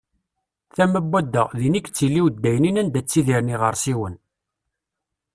Tama wadda, din i yettili uddaynin anda ttidiren yiɣersiwen.